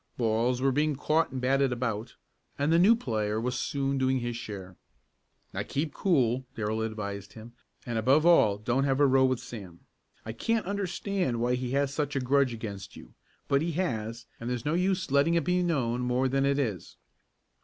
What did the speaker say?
Balls were being caught and batted about, and the new player was soon doing his share. "Now keep cool," Darrell advised him, "and above all don't have a row with Sam. I can't understand why he has such a grudge against you, but he has and there's no use letting it be known any more than it is."